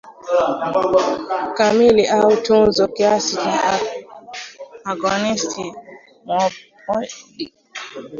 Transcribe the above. kamili au tunzo kiasi ya agonisti ya muopioidi